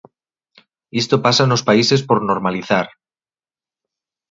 Isto pasa nos países por normalizar.